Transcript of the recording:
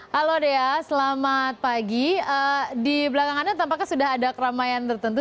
halo dea selamat pagi di belakang anda tampaknya sudah ada keramaian tertentu